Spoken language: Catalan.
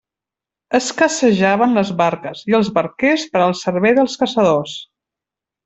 Escassejaven les barques i els barquers per al servei dels caçadors.